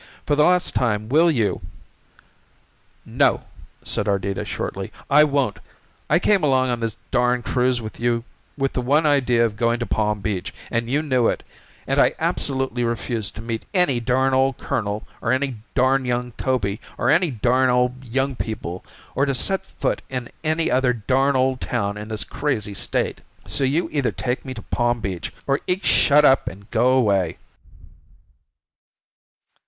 For the last time, will you " "No," said Ardita shortly, "I won't. I came along on this darn cruise with the one idea of going to Palm Beach, and you knew it, and I absolutely refuse to meet any darn old colonel or any darn young Toby or any darn old young people or to set foot in any other darn old town in this crazy state. So you either take me to Palm Beach or else shut up and go away."